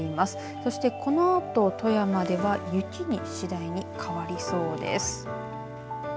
そしてこのあと富山では雪に次第に変わりそうです。